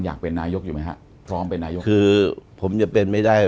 อยากเป็นนายกหรือไหมฮะ